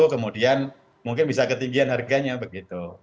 kemudian mungkin bisa ketinggian harganya begitu